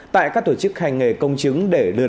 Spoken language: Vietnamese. tại các tổ chức hành nghề công chứng